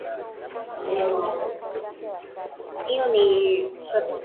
Ameahidi pia kuwaachilia huru wafungwa wote waliopatikana na hatia ya kulima